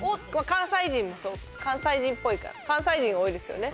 関西人もそう関西人っぽい関西人が多いですよね？